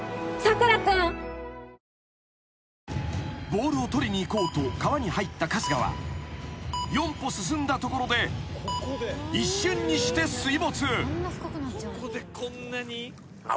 ［ボールを取りに行こうと川に入った春日は４歩進んだところで一瞬にして水没］